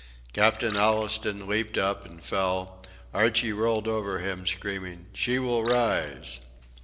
Captain Allistoun leaped up, and fell; Archie rolled over him, screaming: "She will rise!"